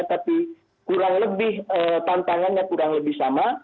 tapi kurang lebih tantangannya kurang lebih sama